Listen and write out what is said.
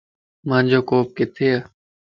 مانجو ڪوپ ڪٿيَ